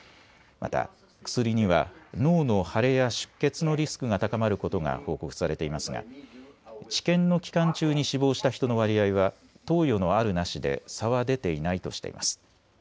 また薬には脳の腫れや出血のリスクが高まることが報告されていますが治験の期間中に死亡した人の割合は投与のあるなしで差は出ていないとしています。